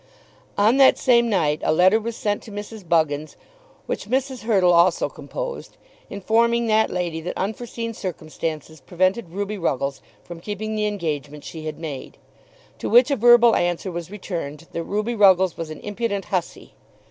On that same night a letter was sent to Mrs. Buggins, which Mrs. Hurtle also composed, informing that lady that unforeseen circumstances prevented Ruby Ruggles from keeping the engagement she had made; to which a verbal answer was returned that Ruby Ruggles was an impudent hussey.